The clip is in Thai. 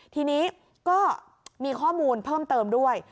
ทีนี้ก็มีข้อมูลเพิ่มเติมด้วย